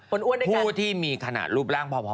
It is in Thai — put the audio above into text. คนอ้วนด้วยกันผู้ที่มีขนาดรูปร่างพอนั่นแหละ